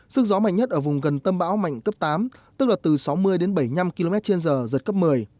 sức gió mạnh nhất ở vùng gần tâm bão mạnh cấp tám tức là từ sáu mươi đến bảy mươi năm km trên giờ giật cấp một mươi